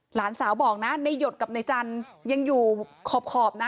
หลานสาวบอกนะในหยดกับนายจันทร์ยังอยู่ขอบนะ